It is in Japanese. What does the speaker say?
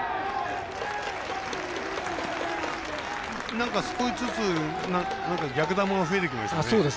なんか少しずつ逆球が増えてきましたね。